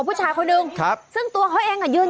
บ้าจริงเดี๋ยวเดี๋ยวเดี๋ยว